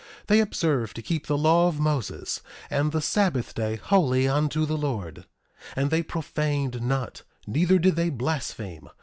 They observed to keep the law of Moses and the sabbath day holy unto the Lord. And they profaned not; neither did they blaspheme.